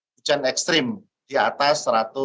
hujan ekstrim di atas satu ratus lima puluh